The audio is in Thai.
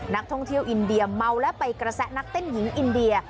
นักท่องเที่ยวอินเดียเมาและไปกระแสนักเต้นหญิงอินเดีย